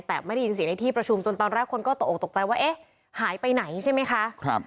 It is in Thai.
แต่ไม่ได้ยินเสียงในที่ประชุมจนตอนแรกคนก็ตกออกตกใจว่าเอ๊ะหายไปไหนใช่ไหมคะ